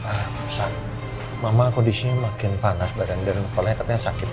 mama kondisinya makin panas badan dan kepalanya katanya sakit